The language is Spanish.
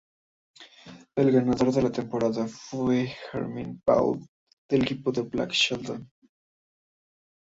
El ganador de la temporada fue Jermaine Paul del equipo de Blake Shelton.